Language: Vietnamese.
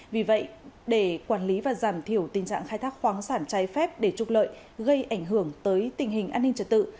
vì vậy để quản lý và giảm thiểu tình trạng khai thác khoáng sản trái phép để trục lợi gây ảnh hưởng tới tình hình an ninh trật tự